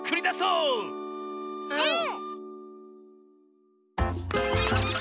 うん！